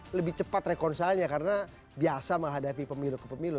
lebih cepat rekonsilnya karena biasa menghadapi pemilu ke pemilu